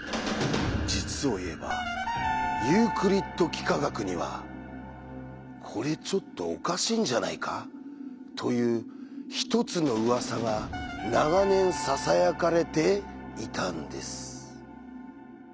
実を言えばユークリッド幾何学にはこれちょっとおかしいんじゃないか？という１つのうわさが長年ささやかれていたんです。